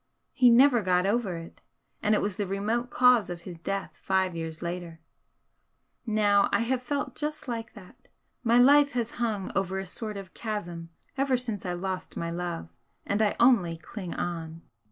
He never got over it, and it was the remote cause of his death five years later. Now I have felt just like that, my life has hung over a sort of chasm ever since I lost my love, and I only cling on."